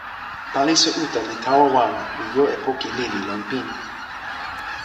palisa uta li tawa wawa, li jo e poki lili lon pini.